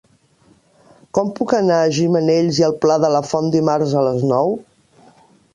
Com puc anar a Gimenells i el Pla de la Font dimarts a les nou?